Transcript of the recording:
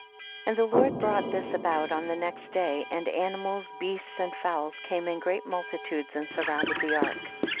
3. And the Lord brought this about on the next day, and animals, beasts and fowls came in great mul titudes and surrounded the ark.